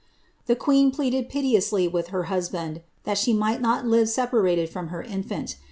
The queen pleaded piteously with her husband that she might not live sepa rated from her infant.